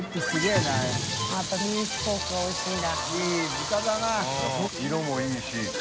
的場）色もいいし。